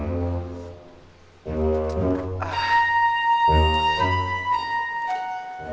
kalau gak enak saya gak akan kesana terus